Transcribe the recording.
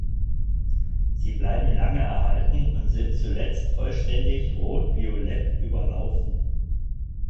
Sie bleiben lange erhalten und sind zuletzt vollständig rotviolett überlaufen.